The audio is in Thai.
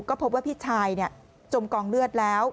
ก็พบว่าพี่ชายจมกองเลือดแล้ว